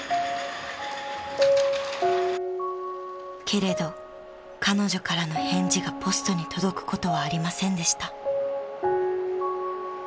［けれど彼女からの返事がポストに届くことはありませんでした］